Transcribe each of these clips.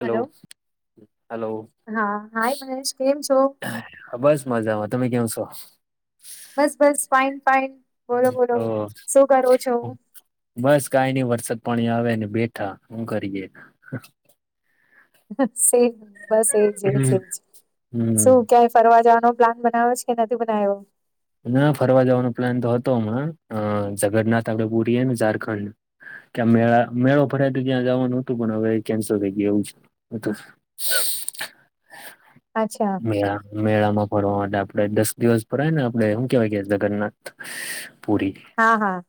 Hello, hello હા hi Manesh કેમ છો હા, બસ મજામાં તમે કેમ છો બસ, બસ, ફાઈન, ફાઈન, બોલો, બોલો ઓ શું કરો છો બસ કાઈ નઈ વરસાદ પાણી આવે ને બેઠા, હું કરીએ બસ એજ એજ એજ હમ શું ક્યાય ફરવા જવાનું પ્લાન બનાયો છે નથી બનાયો ના ફરવા જવાનો પ્લાન તો હતો હમણા અ જગન્નાથ આપડે પુરીએ ને ઝારખંડ ક્યાં મેળા મેળો ફરાય તો ત્યાં જાવાનું હતું પણ હવે એ કેન્સલ થઈ ગયું એવું છે હતો અચ્છા મેળામાં ફરવા માટે આપડે દસ દિવસ ભરાય ને ને હું કેવાય ગયા જગન્નાથ પુરી હા, હા,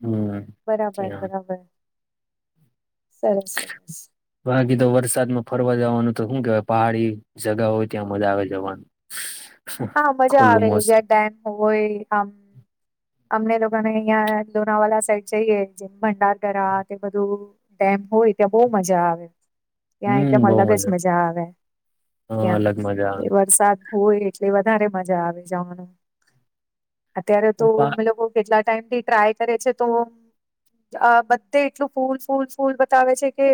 હમ બરાબર, બરાબર સરસ, સરસ બાકી તો વરસાદમાં ફરવા જવાનું તો હું કેવાય પહાડી જગા હોય ત્યાં મજા આવે જવાનું હા, મજા ખુલ્લું આવે મોસમ જ્યાં ડેમ હોય આમ અમને લોકો ને અહિયા લોનાવાલા સાઈડ જઈએ જેમ ભંડાર કરાવાઆ તે બધું ડેમ હોય ત્યાં બહુ મજા આવે ત્યાં એકદમ હમ બહુ અલગ જ મજા આવે હ ત્યાં અલગ મજા એ આવે વરસાદ હોય એટલે વધારે મજા આવે જવાનું અત્યારે તો અમે લોકો કેટલા ટાઈમથી ટ્રાય કરીયે છે તો આ બધે એટલું ફૂલ, ફૂલ, ફૂલ, બતાવે છે, કે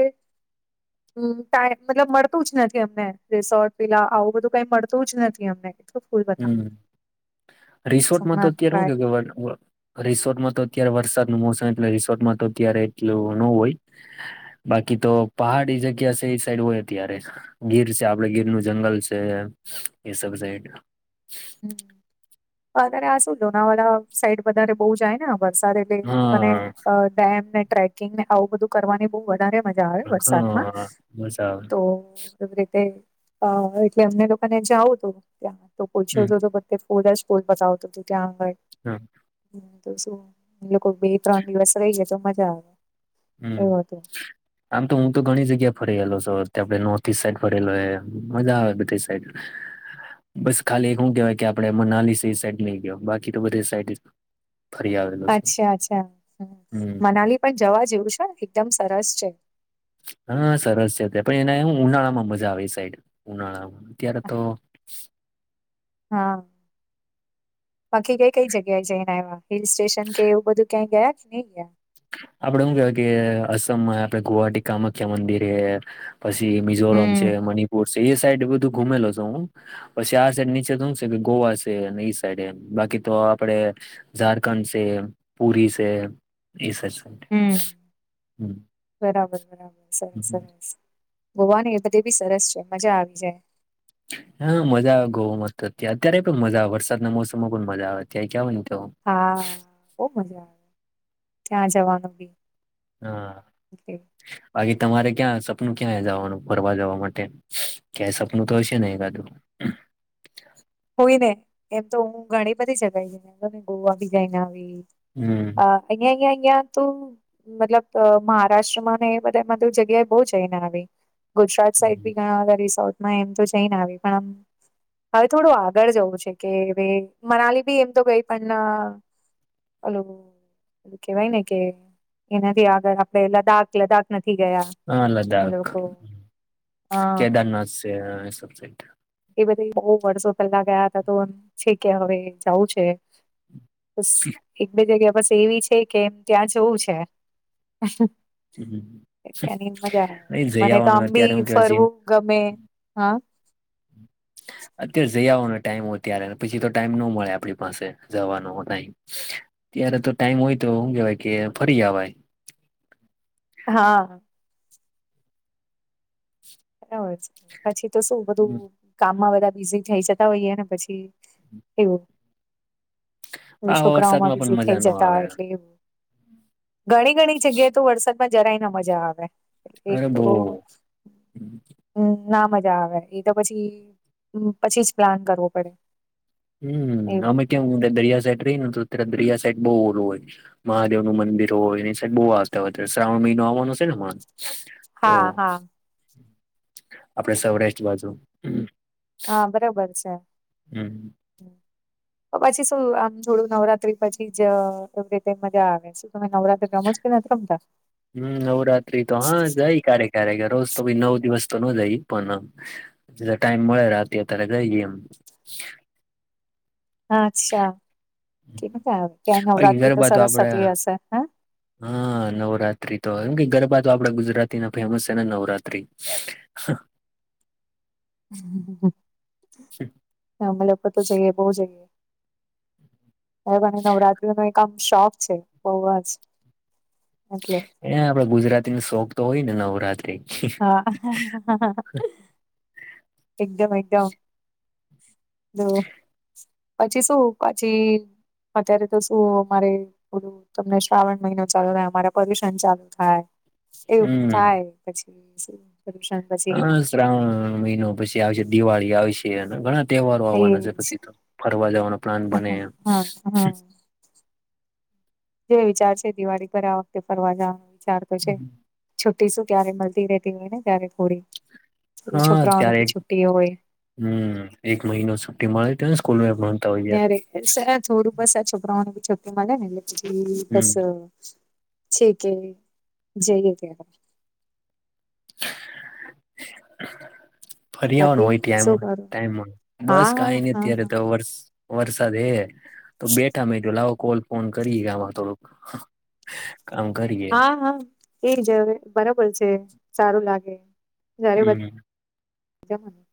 મ ટાઈ મતલબ મળતું જ નથી અમને રિસોર્ટ વિલા આવું બધું કઈ મળતું જ નથી અમને. એટલું ફૂલ બતાવે હમ છે રિસોર્ટમાં તો હમણાં અત્યારે હું ટ્રાય કે. [unintelligible] રિસોર્ટમાં તો અત્યારે વરસાદ નું મોસમ એટલે રિસોર્ટમાં તો અત્યારે એટલું ન હોય. બાકી તો પહાડી જગ્યા છે ઈ સાઈડ હું અત્યારે ગીર છે આપડે ગીર નું જંગલ છે એમ ઇ સબ સાઈડ. હ અત્યારે આ શું લોનાવાલા સાઈડ વધારે બહુ જાય ને આ વરસાદ એટલે અ મને હા ડેમ ને ટ્રેકિંગને આવું બધું. કરવાની બહુ વધારે મજા આવે વરસાદમાં હા મજા આવે તો. તો રીતે અ એટલે અમને લોકોને જાવું તો ત્યાં તો પૂછ્યું હમ તો. પોરસ પોલ બતાાવતા તુ તયા હોયે. હું. તો શું ઈ લોકો બે ત્રણ દિવસ રહી જાય તો મજા આવે. હમ. એવું હતું આમ તો હું તો ઘણી જગ્યા ફરેલો છું આપણે નોર્થ ઇસ્ટ સાઈડ ફરેલો એ મજા આવે બધી સાઈડ. બસ ખાલી હું કેવાય કે આપડે મનાલી ઈ સાઈડ નઈ ગયો બાકી તો બધે સાઈડ. ફરી આવેલો છે અચ્છા અચ્છા હ હમ મનાલી પણ જવા જેવું છે એકદમ સરસ છે. હા સરસ છે તે પણ એના હું ઉનાળા માં મજા આવે ઈ સાઈડ ઉનાળામાં અત્યારે તો. હા બાકી કઈ કઈ જગ્યાએ જઈને આયવા. હિલ સ્ટેશન કે એવું બધું ક્યાંય ગયા કે નહી ગયા. આપડે હું કેવાય કે અ અસમમાં આપડે ગુવાહાટી કામાખ્યા મંદિર એ. પછી મિઝોરમ હમ છે મણિપુર છે એ સાઈડ બધું ગુમેલો છું હું. પછી આ સાઈડ નીચે તો હું છે કે ગોવા છે અને ઈ સાઈડ એમ બાકી તો આપડે ઝારખંડ છે પુરી છે ઈ સે. હમ બરાબર બરાબર સરસ સરસ. ગોવા ને એ બધે બી સરસ છે મજા આવી જાય. હા મજા આવે ગઉ મસ્ત હતી અત્યારે પણ મજા આવે વરસાદના મોસમમાં પણ મજા આવે ત્યાં ગયા હોય ને તો. હા બઉ મજા આવે ત્યાં જવાનું બી. હા બાકી તમારે ક્યાં સપનું ક્યાં જવાનું ફરવા જવા માટે. ક્યાય સપનું તો હશે ને એ ગાદું. હોય ને એમ તો હું ઘણી બધી જગ્યાએ ગોવા બી જઈ ને આવી. હમ. હા અહીયાં અહીંયા અહયા તો. મતલબ અ મહારાષ્ટ્ર માં ને એ બધેય મા તો જગ્યાએ બહુ જઈ ને આવી. ગુજરાત સાઈડ બી ઘણા બધા રિસોર્ટમાં એમ તો જઈને આવે પણ આમ. હવે થોડું આગળ જવું છે કે વે મનાલી બી એમ તો ગઈ પણ હલો. કેવાય ને કે એનાથી આગળ આપડણેે લદ્દાખ લદ્દાખ નથી ગયા. હા અમે લદ્દાખ લોકો હા કેદારનાથ સે સબ સાઈટ. એ બધી બઉ વર્ષો પેલા ગયા હતા તો છે કે હવે જાવું છે. જી. એક બે જગ્યા બસ એવી છે કે ત્યાં જવું છે. હમ તની મજા એ આવે જઈ મને તો આવવાનું આમ બી અત્યારે હું કે જીમ ફરવું ગમે હા. અત્યારે જઈ આવવાનો ટાઈમ હો ત્યારે પછી તો ટાઈમ ન મળે આપણી પાસે જવાનો ટાઈમ. ત્યારે તો ટાઈમ હોય તો હું કેવાય કે ફરી અવાય. હા. બરાબર છે પછી તો શું બધું. કામમાં બધા બિઝી થઈ જતા હોઈએ ને પછી એવું. આવા છોકરાઓમાં વરસાદમાં પણ બીઝી થઈ મજા ન જતા આવે એટલે. ઘણી ઘણી જગ્યાએ તો વરસાદમાં જરાય ના મજા આવે. અરે બો. હમ ના મજા આવે એ તો પછી પછી જ પ્લાન કરવો પડે. હમ એવું અમે કેમ દરિયા સાઈડ રહીએને તો અત્યારે દરિયા સાઈડ બઉુ ઓલું હોય છે. મહાદેવ નું મંદિર હોય એની સાબ બહુ આસ્થા હોય શ્રાવણ મહિનો આવવાનો છે ને હમણાં તો હા હા આપડે સૌરાષ્ટ્ર બાજુ. હા બરોબર છે. હમ તો પછી શું આમ થોડું નવરાત્રી પછી જ એવી રીતે મજા આવે છે. તમે નવરાત્રી રમો કે નથી રમતા હમ નવરાત્રી તો હા જાય કારે કારે કે રોજ તો નવ દિવસ તો ન જાય પણ એટ ટાઈમ મળે રાતે ત્યારે ગઈ એમ. હા અચ્છા કે ન ક ત્યાં બાકી નવરાત્રી તો ગરબા સરસ આપડે થતી હશે હા હા નવરાત્રી તો એમ કે ગરબા તો આપડા ગુજરાતી ના ફેમસ છે ને નવરાત્રી [inaudible] [unintelligible] તો જઈએ બો જઈએ [unintelligible] નવરાત્રી ની એક આમ શોખ છે બહ જ એટલે. ને આપડે ગુજરાતીની શોક તો હોય ને નવરાત્રી હા એકદમ એકદમ તો પછી શું પછી અત્યારે તો શું અમારે બધું તમને શ્રાવણ મહિનો ચાલુ થાય અમારે પરદ્યુષન ચાલુ થાય. એવું જ બધું હમ થાય પછી હ પછી શ્રાવણ મહિનો પછી આવશે દિવાળી આવશે અને ઘણા તહેવારો થઈ આવવાના છે જ પછી તો ફરવા જવાનો પ્લાન બને. હા હા જે વિચાર છે દિવાળી પર આ વખતે ફરવા જવાનો વિચાર તો છે જ. છુ્ટી શું ક્યારે મળતી રહેતી હોય ને ત્યારે થોડી હા છોકરાઓની ત્યારે બી છુટ્ટી હોય હમ એક મહિનો છુટી મળે છે ને સ્કૂલે પણ ત્યારે સર થોડું બસ આ છોકરાઓને બી છુટ્ટી મલે ને એટલે પછી હમ બસ છેકે જઈએ ત્યારે ફરિયાવાનું બાકી હોય ટમ શું કરો ટાઈમમા બસ હા કઈ હા ની હા અત્યારે હા તો વર્ વરસાદ હે તો બેઠા મેં કો લાવો કોલ ફોન કરીએ આમાં થોડુંક કામ કરી હા હા એ જ બરાબર છે સારું લાગે જારે હમ [unintelligible]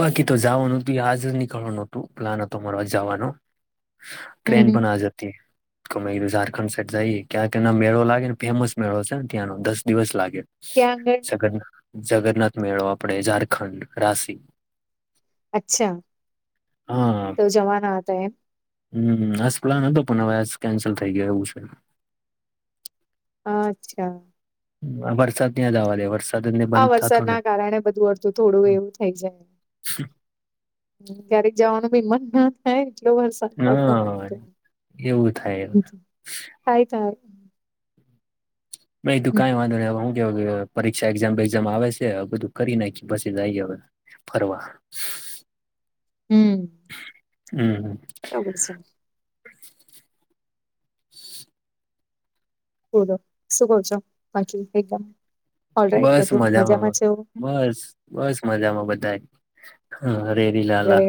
બાકી તો જવાનું હતું આજ નીકળવાનું હતું પ્લાન હતો મારો જવાનો ટ્રેન હમ પણ આજ અતી. તોમે ઝારખંડ સાઈડ જઈએ ક્યાંક એના મેળો લાગે ને ફેમસ મેળો છે ને ત્યાંનો દસ દિવસ લાગે કયાં આગળ જગન્નાથ મેળો આપડે ઝારખંડ રાશી અચ્છા હા તું જવાનો હતો એમ હમ હસ પ્લાન હતો પણ હવે આ કેન્સલ થઈ ગયો એવું છે. અચ્છા વરસાદ કયાં જાવા દે વરસાદ જ ને આ બંધ થતો વરસાદ ને ના કારણે બધું અડથું થોડું એવું થઈ જાય [inaudible] ક્યારેક જવાનું ભી મન ના થાય એટલો વર્ સાદ પડતો હોય ને હા એટલે એવું થાય [unintelligible] મેં તું હમ કાઈ વાંધો નહીં [unintelligible] ત્યાં હુધી માં પરીક્ષા એક્ઝામ બેેગઝામ આવે છે બધું કરી નાખી પછી જઈએ હવે. ફરવા હમ હમ [unintelligible] શું કવ છો બાકી એકદમ ઓલરાઈટ બધું મજામાં છે? બસ બસ મજામાં બધાય લહેરી લાલા ઘરે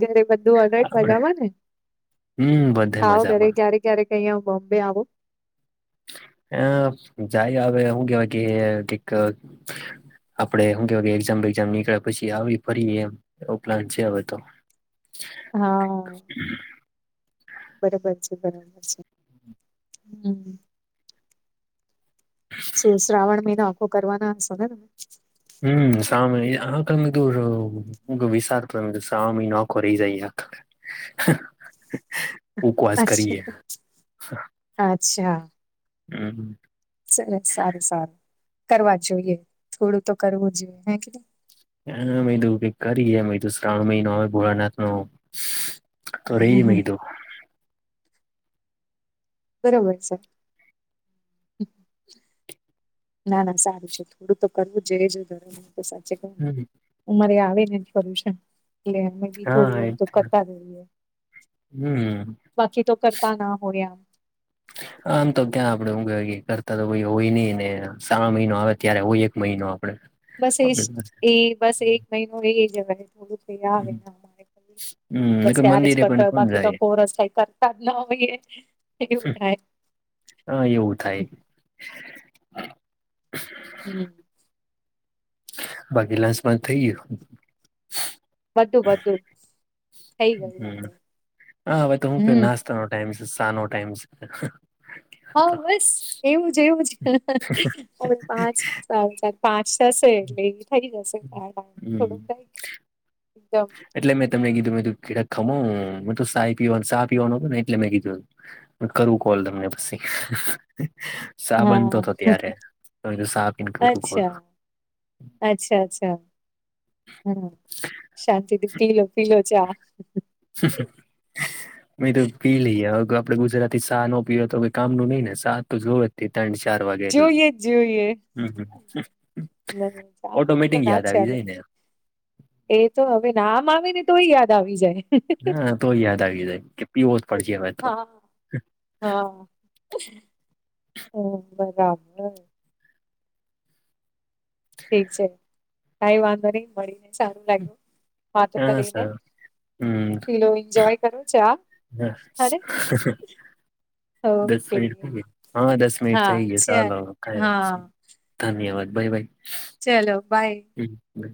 ઘરે બધું ઓલ રાઈટ આપડે મજામાં ને? હમ બધે મજા ક્યારે ક્યારે અહીંયા બોમ્બે આવો. હ જાય હવે હું કેવાય કે કઈક આપડે શું કેવા કે એક્ઝામ બેક્ઝામ નીકળ્યા પછી આવી ફરી એમ એ પ્લાન છે હવે તો હા બરોબર છે બરોબર છે હમ શું શ્રાવણ મહિનો આખો કરવાના હશો ને તમે હમ સામે આ કમ દૂરહો હ વિશાર કરુ છે શ્રાવણ મહિનો આખો રહી જાય ઉપવાસ કરીએ [unintelligible] અચ્છા હમ સરસ સારું સારું કરવા જોઈએ થોડું તો કરવું જોઈએ હે કે હા મે કીધું કઈ કરીએ શ્રાવણ મહિનો આવે ભોળાનાથ નો તો રહીએ મેં કીધું બરોબર છે. ના ના સારું છે થોડું તો કરવું જોઈએ જ ઘરોમાં તો સાચે કર ને હમ અમારે આવે નેશન એટલે થોડી હા એ હળ તો જ ને. કરતા રહીએ હમ બાકી તો કરતા ના હો રહ્યા આમ તો ક્યાં આપડે ઉઘ કરતા હોય હોઈની ને શ્રાવણ મહિનો આવે ત્યારે હોય એક મહિનો આપડે બસ આપડી પાસે એ એ બસ એક મહિનો એ એ જવાય હમ [unintelligible] બસ નકર ત્યારે જ મંદિરે કરતો પણ હોય કોણ બાકી તો જાય કોરસ થાય સાધના માં હોઈએ એવું થાય હ એવું થાય હમ બાકી લંચમાં થઇ ગયો બધું બધું થઈ ગયું આપડે હમ નો ટાઈમ છે શા નો ટાઈમ છે હા તો. બસ એવું જ એવું જ પાંચલ પાંચ જશે એટલે એ થઈ જશે કાર હમ થોડુંકાઈક એકદમ એટલે મેં તમને કીધું મે કીધું કેડા ખમો મેં તો શાય પીવાનુ શા પીવાનું હતું ને એટલે મેં કીધુ કરું કોલ તમને પછી સા બનતો હા હતો ત્યારે તો સા પીને કરું કોલ. અચ્છા અચ્છા અચ્છા હા શાંતિથી પીલો પીલો ચા [unintelligible] અ તો પી લઈએ આપડે ગુજરાતીથી શા નો પીયે તો કામ નું નઈ ને શા તો જોવે તે ત્રણ ચાર વાગે જોઈએ જ જોઈએ. હ હમ્મ [unintelligible] ચા મને ના ચાલેે એ તો હવે નામ આવે ને તો યાદ આવી જાય હા તો યાદ આવી જાય કે પીવો જ પડશે હવે તો હા હા હમ બરાબર ઠીક છે. કઈ વાંધો નહી મળી ને સારું લાગ્યું વાતો હા કરીને સર હમ પેલો એન્જોય કરો ચા હ અરે દસ ઓકે મિનિટ થ ગ હા દસ મિનિટ હા થઇ ગયા ચાલ ચાલો ખાય હા ધન્યવાદ બાય બાય ચલો બાય બ